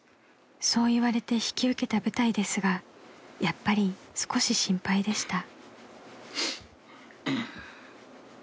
［そう言われて引き受けた舞台ですがやっぱり少し心配でした］